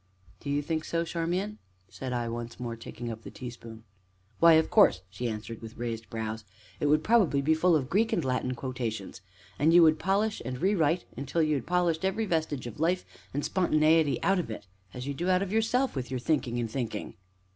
"Do you think so, Charmian?" said I, once more taking up the teaspoon. "Why, of course!" she answered, with raised brows; "it would probably be full of Greek and Latin quotations! And you would polish and rewrite it until you had polished every vestige of life and spontaneity out of it, as you do out of yourself, with your thinking and thinking."